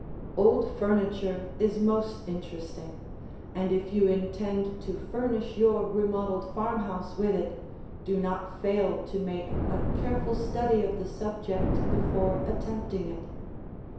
Old furniture is most interesting, and if you intend to furnish your remodeled farmhouse with it, do not fail to make a careful study of the subject before attempting it.